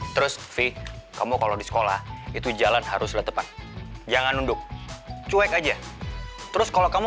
terus v kamu kalau di sekolah itu jalan harus letupan jangan nunduk cuek aja terus kalau kamu